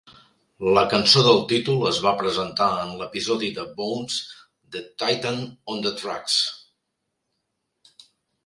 La cançó del títol es va presentar en l'episodi de "Bones" "The Titan on the Tracks".